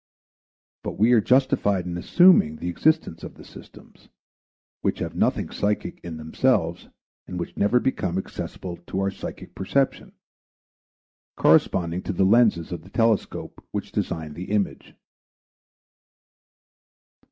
But we are justified in assuming the existence of the systems, which have nothing psychic in themselves and which never become accessible to our psychic perception, corresponding to the lenses of the telescope which design the image.